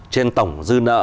trên tổng dư nợ